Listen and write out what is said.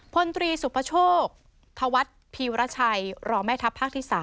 พลตรีสุภโชคธวัฒน์พีวรชัยรองแม่ทัพภาคที่๓